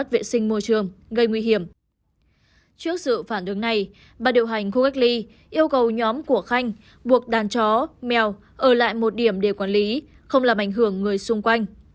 trước sự phản ứng này bà điều hành khu cách ly yêu cầu nhóm của khanh buộc đàn chó mèo ở lại một điểm để quản lý không làm ảnh hưởng người xung quanh